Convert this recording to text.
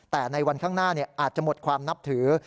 แต่ในวันข้างหน้าอาจจะหมดความนับถือ